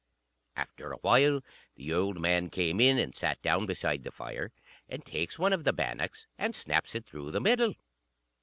After a while, the old man came in, and sat down beside the fire, and takes one of the bannocks, and snaps it through the middle.